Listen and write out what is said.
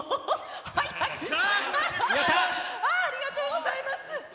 あー、ありがとうございます。